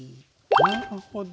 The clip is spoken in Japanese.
なるほど。